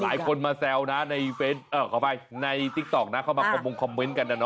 หลายคนมาแซวนะในติ๊กต๊อกเข้ามาปรบมงค์คอมเมนต์กันนะ